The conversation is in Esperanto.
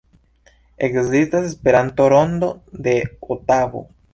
Ekzistas Esperanto-Rondo de Otavo.